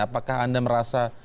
apakah anda merasa